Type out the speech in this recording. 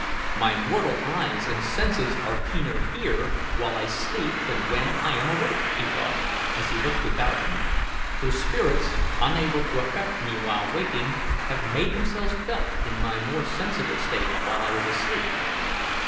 "My mortal eyes and senses are keener here while I sleep than when I wake," he thought, as he looked about him, "for spirits, unable to affect me while waking, have made themselves felt in my more sensitive state while I was asleep.